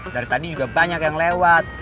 dari tadi juga banyak yang lewat